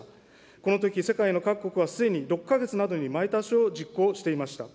このとき、世界の各国はすでに６か月などに前倒しを実行していました。